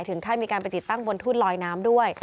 ค่ายมีการไปติดตั้งบนทุ่นลอยน้ำด้วย